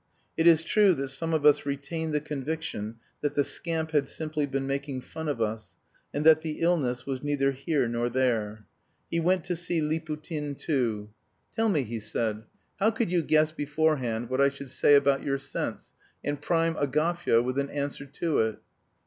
It is true that some of us retained the conviction that the scamp had simply been making fun of us, and that the illness was neither here nor there. He went to see Liputin too. "Tell me," he said, "how could you guess beforehand what I should say about your sense and prime Agafya with an answer to it?"